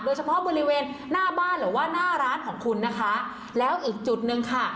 โดยเฉพาะบริเวณหน้าบ้านหรือว่าหน้าร้านของคุณนะคะแล้วอีกจุดหนึ่งค่ะ